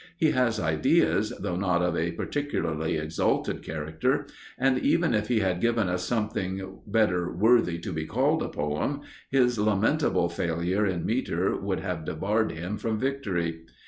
He has ideas, though not of a particularly exalted character; and even if he had given us something better worthy to be called a poem, his lamentable failure in metre would have debarred him from victory.